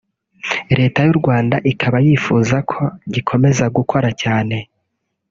Leta y’u Rwanda ikaba yifuza ko gikomeza gukora cyane